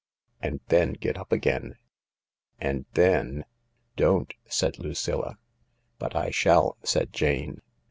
And then get up again. And then ..." "Don't," said Lucilla. "But I shall," said Jane.